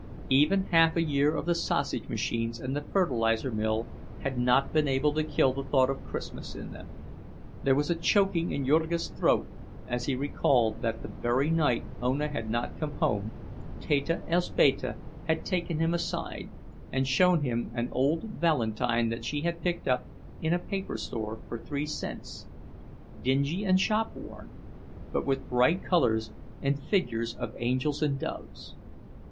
Even half a year of the sausage machines and the fertilizer mill had not been able to kill the thought of Christmas in them; there was a choking in Jurgis' throat as he recalled that the very night Ona had not come home Teta Elzbieta had taken him aside and shown him an old valentine that she had picked up in a paper store for three cents—dingy and shopworn, but with bright colors, and figures of angels and doves.